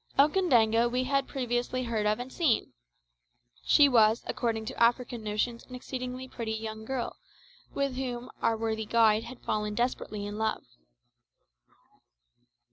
Okandaga we had previously heard of and seen. She was, according to African notions, an exceedingly pretty young girl, with whom our worthy guide had fallen desperately in love.